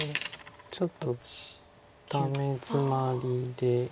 ちょっとダメヅマリで。